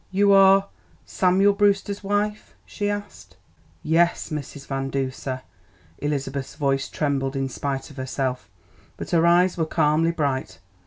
"You are Samuel Brewster's wife?" she asked. "Yes, Mrs. Van Duser." Elizabeth's voice trembled in spite of herself, but her eyes were calmly bright.